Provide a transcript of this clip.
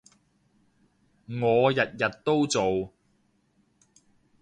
我日日都做